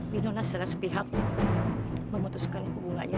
binona secara sepihak memutuskan hubungannya